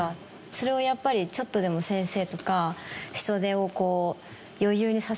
それをやっぱりちょっとでも先生とか。